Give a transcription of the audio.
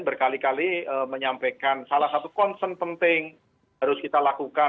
berkali kali menyampaikan salah satu concern penting harus kita lakukan